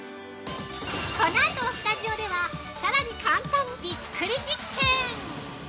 ◆このあと、スタジオではさらに簡単びっくり実験！